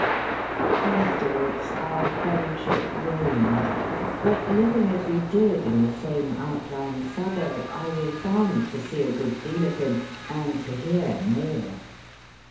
Afterwards our friendship waned, but living as we did in the same outlying suburb, I was bound to see a good deal of him; and to hear more.